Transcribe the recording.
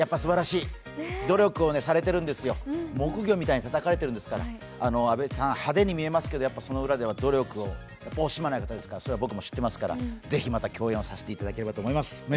努力をされているんですよ、木魚をたたかれているんですから阿部さん派手に見えますけどその裏では努力を惜しまない方ですからそれは僕も知ってますから、ぜひまた共演させていただければと思います。